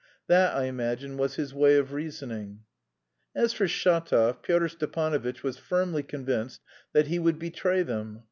That, I imagine, was his way of reasoning. As for Shatov, Pyotr Stepanovitch was firmly convinced that he would betray them.